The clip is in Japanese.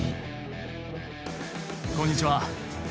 こんにちは。